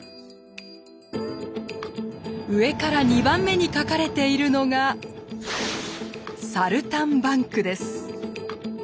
上から２番目に書かれているのが「サルタンバンク」です。